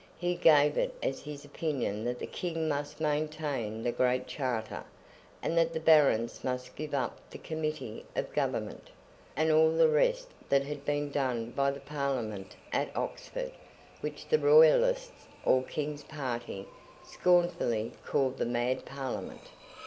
He gave it as his opinion that the King must maintain the Great Charter, and that the Barons must give up the Committee of Government, and all the rest that had been done by the Parliament at Oxford: which the Royalists, or King's party, scornfully called the Mad Parliament.